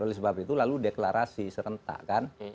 oleh sebab itu lalu deklarasi serentak kan